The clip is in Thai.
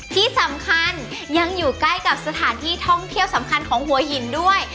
ที่สำคัญยังอยู่ใกล้กับสถานที่ท่องเที่ยวสำคัญของหัวหินด้วย